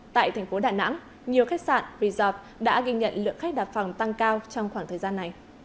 tại thành phố đà nẵng nhiều khách sạn resort đã ghi nhận lượng khách đạp phòng tăng cao trong khoảng thời gian này